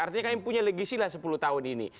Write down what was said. artinya kan yang punya legisilah sepuluh tahun ini